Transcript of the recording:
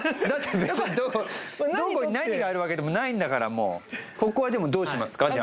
別にどこに何があるわけでもないんだからもうここはでもどうしますか？